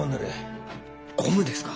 ゴムですか？